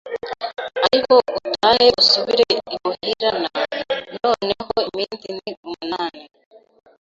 Ariko utahe usubire imuhirana noneho iminsi ni umunani